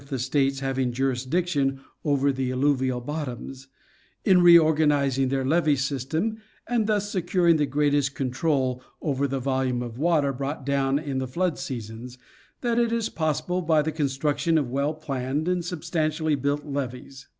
the States having jurisdiction over the alluvial bottoms, in reorganizing their levee systems and thus securing the greatest control over the volume of water brought down in the flood seasons, that is possible by the con struction of well planned and substantially built levees.